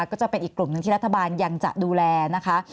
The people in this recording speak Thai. ก็จะเป็นอีกกลุ่มหนึ่งที่รัฐบาลยังจะดูแลนะคะ